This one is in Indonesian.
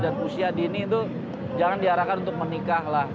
dan usia dini itu jangan diarahkan untuk menikah lah